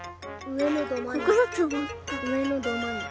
うえのどまんなか。